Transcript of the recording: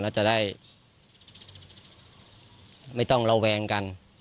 แล้วจะได้ไม่ต้องระแวงกัน